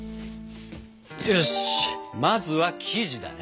よしまずは生地だね。